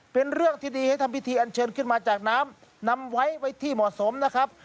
เป็นเรื่องที่ดีให้ทำพิธีอันเชิญขึ้นมาจากน้ำนำไว้ไว้ที่เหมาะสมนะครับ